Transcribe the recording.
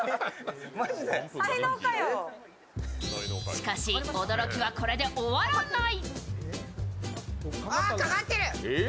しかし驚きはこれで終わらない。